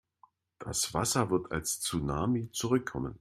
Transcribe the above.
Das Wasser wird als Tsunami zurückkommen.